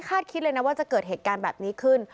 คิดเลยนะว่าจะเกิดเหตุการณ์แบบนี้ขึ้น